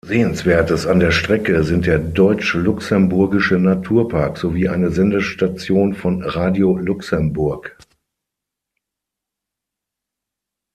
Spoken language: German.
Sehenswertes an der Strecke sind der Deutsch-Luxemburgische Naturpark sowie eine Sendestation von Radio Luxemburg.